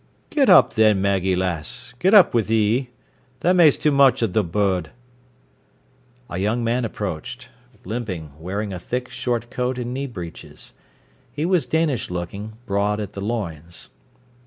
"Get up, then, Maggie, lass, get up wi' thee. Tha ma'es too much o' th' bod." A young man approached, limping, wearing a thick short coat and knee breeches. He was Danish looking, broad at the loins.